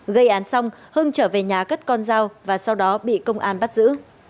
gây án xong hưng trở về nhà cất con dao và sau đó bị công an bắt giữ